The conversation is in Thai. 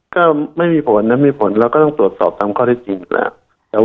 ก็ไม่มีผลนะมีผลแล้วก็ต้องตรวจสอบตามข้อที่จริงแล้ว